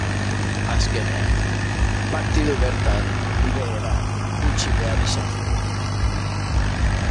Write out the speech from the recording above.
Azkenean, partida bertan behera utzi behar izan zuten.